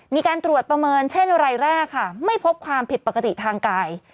มีการตรวจประเมินเช่นรายแรกค่ะไม่พบความผิดปกติทางกาย